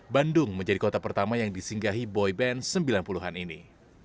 bandung menjadi kota pertama yang disinggahi boy band sembilan puluh an ini